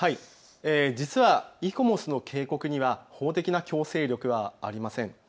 実はイコモスの警告には法的な強制力はありません。